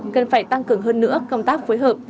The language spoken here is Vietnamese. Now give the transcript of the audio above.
cần phải tăng cường hơn nữa công tác phối hợp